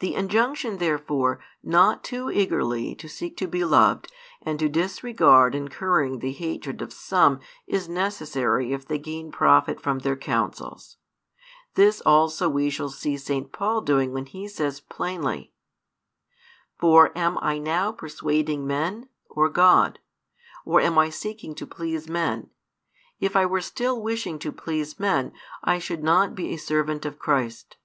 The injunction therefore not too eagerly to seek to be loved and to disregard incurring the hatred of some is necessary if they gain profit from their counsels. This also we shall see St. Paul doing when he says plainly: For am I now persuading men, or God? or am I seeking to please men? If I were still wishing to please men, I should not be a servant of Christ.